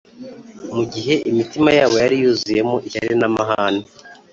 mu gihe imitima yabo yari yuzuyemo ishyari n’amahane